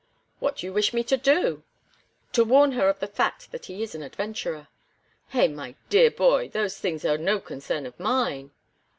"What do you wish me to do?" "To warn her of the fact that he is an adventurer." "Hey, my dear boy, those things are no concern of mine."